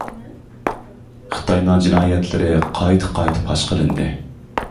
خىتاينىڭ جىنايەتلىرى قايتا-قايتا پاش قىلىندى.